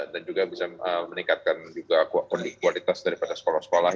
dan juga bisa meningkatkan juga kualitas daripada sekolah sekolah